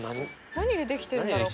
何で出来てるんだろう？